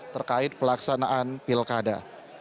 terkait pelaksanaan pilkada